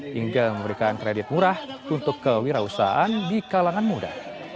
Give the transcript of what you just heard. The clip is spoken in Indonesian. hingga memberikan kredit murah untuk kewirausahaan di kalangan muda